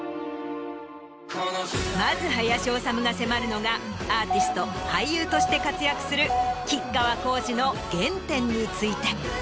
まず林修が迫るのがアーティスト俳優として活躍する吉川晃司の原点について。